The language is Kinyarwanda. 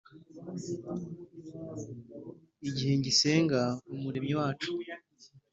Igihe ngisenga Umuremyi wacu